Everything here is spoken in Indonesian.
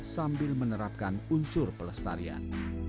sambil menerapkan unsur pelestarian